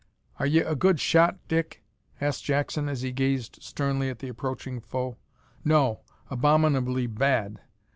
"Are ye a good shot, Dick?" asked Jackson, as he gazed sternly at the approaching foe. "No abominably bad."